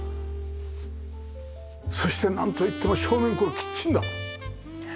そしてなんといっても正面このキッチンが。